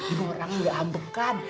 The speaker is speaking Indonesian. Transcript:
ibu orang nggak hambuk kan